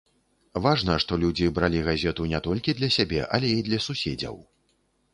Важна, што людзі бралі газету не толькі для сябе, але і для суседзяў.